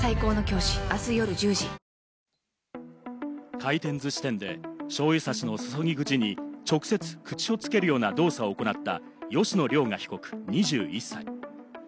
回転ずし店でしょうゆ差しの注ぎ口に直接、口を付けるような動作を行った吉野凌雅被告、２１歳。